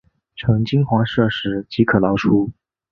呈金黄色时即可捞出。